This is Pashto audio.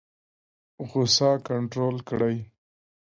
غوسه کنټرول کړئ